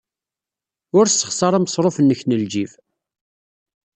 Ur ssexṣar ameṣruf-nnek n ljib.